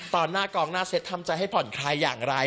หน้ากองหน้าเซ็ตทำใจให้ผ่อนคลายอย่างไร